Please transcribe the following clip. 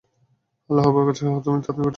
আল্লাহর বরকত সহ তুমি তার নিকট চলে যাও।